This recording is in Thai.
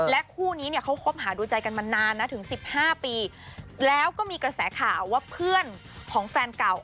คู่นี้เนี่ยเขาคบหาดูใจกันมานานนะถึงสิบห้าปีแล้วก็มีกระแสข่าวว่าเพื่อนของแฟนเก่า